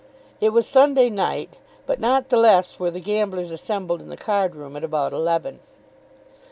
It was Sunday night; but not the less were the gamblers assembled in the card room at about eleven.